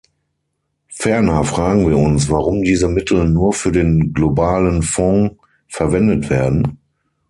Ferner fragen wir uns, warum diese Mittel nur für den Globalen Fonds verwendet werden.